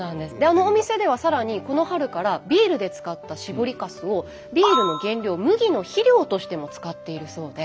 あのお店ではさらにこの春からビールで使った搾りかすをビールの原料麦の肥料としても使っているそうで。